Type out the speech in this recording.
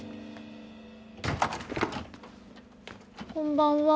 こんばんは。